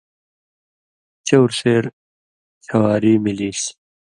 چؤر سېر چھواری ملیسیۡ۔